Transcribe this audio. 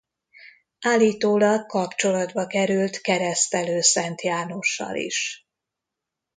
Állítólag kapcsolatba került Keresztelő Szent Jánossal is.